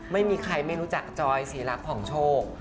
ไม่มีใครไม่รู้จักจอยศรีรักผ่องโชค